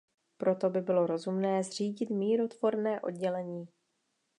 Proto by bylo rozumné zřídit mírotvorné oddělení.